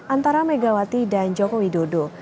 antara megawati dan joko widodo